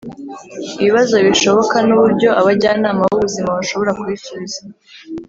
Ibibazo bishoboka n uburyo abajyanama b ubuzima bashobora kubisubiza